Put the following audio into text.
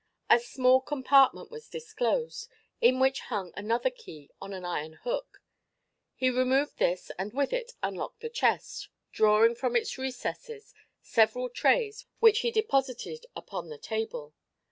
A small compartment was disclosed, in which hung another key on an iron hook. He removed this and with it unlocked the chest, drawing from its recesses several trays which he deposited upon the table.